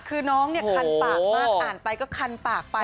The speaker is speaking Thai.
คือน้องเนี่ยคันปากมากอ่านไปก็คันปากไป